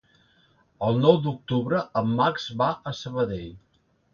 El nou d'octubre en Max va a Sabadell.